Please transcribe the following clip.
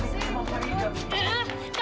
saya mau pergi farida